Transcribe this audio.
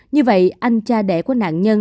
như vậy anh cha đẻ của nạn nhân